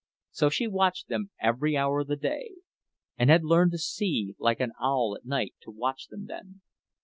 So she watched them every hour of the day, and had learned to see like an owl at night to watch them then.